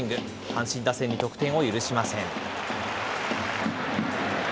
阪神打線に得点を許しません。